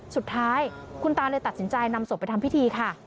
สุดท้ายคุณตาเลยตัดสินใจนำศพไปทำพิธีค่ะ